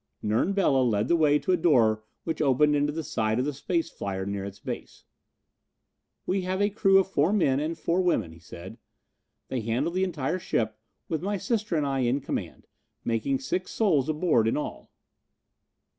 Nern Bela led the way to a door which opened into the side of the space flyer near its base. "We have a crew of four men and four women," he said. "They handle the entire ship, with my sister and I in command, making six souls aboard in all."